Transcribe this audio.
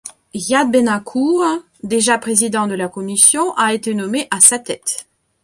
Yadh Ben Achour, déjà président de la commission, a été nommé à sa tête.